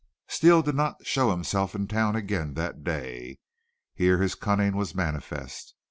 Steele did not show himself in town again that day. Here his cunning was manifest.